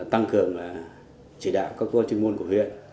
tăng cường và chỉ đạo các công trình môn của huyện